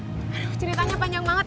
aduh ceritanya panjang banget